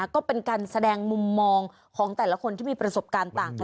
ก็เป็นการแสดงมุมมองของแต่ละคนที่มีประสบการณ์ต่างกัน